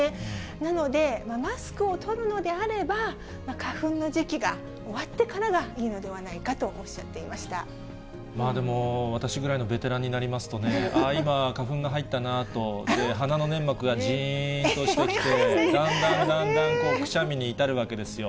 なので、マスクを取るのであれば、花粉の時期が終わってからがいいのではないかとおっしゃっていまでも、私ぐらいのベテランになりますとね、ああ、今、花粉が入ったなと、鼻の粘膜がじーんとしてきて、だんだんだんだんくしゃみに至るわけですよ。